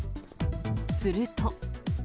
すると。